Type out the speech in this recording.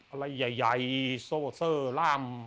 อะไรใหญ่โซเซอร์ล่าม